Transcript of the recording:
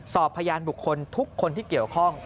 พยานบุคคลทุกคนที่เกี่ยวข้อง